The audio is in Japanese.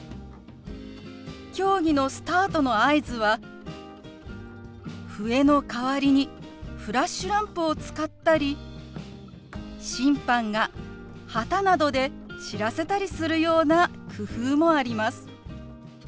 競技のスタートの合図は笛の代わりにフラッシュランプを使ったり審判が旗などで知らせたりするような工夫もあります。